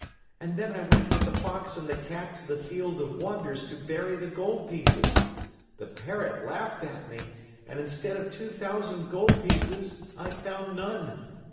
And then I went with the Fox and the Cat to the Field of Wonders to bury the gold pieces. The Parrot laughed at me and, instead of two thousand gold pieces, I found none.